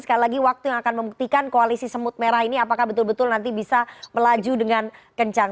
sekali lagi waktu yang akan membuktikan koalisi semut merah ini apakah betul betul nanti bisa melaju dengan kencang